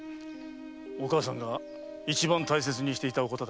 お母さんが一番大切にしていたお方だ。